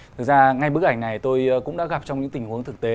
thực ra ngay bức ảnh này tôi cũng đã gặp trong những tình huống thực tế